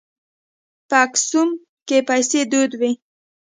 په اکسوم کې پیسې دود وې.